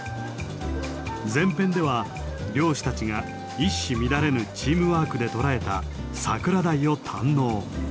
前編では漁師たちが一糸乱れぬチームワークで捕らえたサクラダイを堪能。